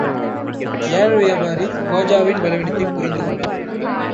ஏல வியாபாரி, குவாஜாவின் பலவீனத்தைப் புரிந்து கொண்டான்.